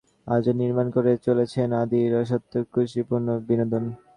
রুচিশীলতার মোড়কে ঢেকে তাঁরা আজও নির্মাণ করে চলেছেন আদি রসাত্মক কুরুচিপূর্ণ বিনোদন।